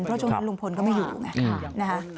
เพราะจงลุงพลก็ไม่อยู่ไงนะครับ